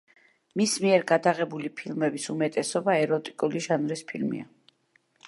მის მიერ გადაღებული ფილმების უმეტესობა ეროტიკული ჟანრის ფილმია.